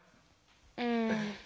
うん。